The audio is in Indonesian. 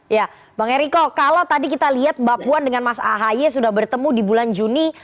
ya bang eriko kalau tadi kita lihat mbak puan dengan mas ahaye sudah bertemu di bulan juni